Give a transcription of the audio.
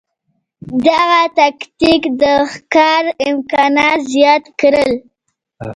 دغه تکتیک د ښکار امکانات زیات کړل.